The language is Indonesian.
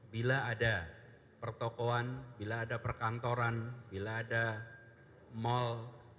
bila ada pertokohan bila ada perkantoran bila ada mal